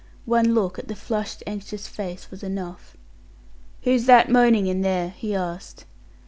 One look at the flushed, anxious face was enough. "Who's that moaning in there?" he asked.